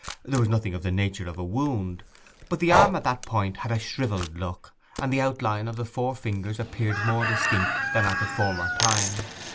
There was nothing of the nature of a wound, but the arm at that point had a shrivelled look, and the outline of the four fingers appeared more distinct than at the former time.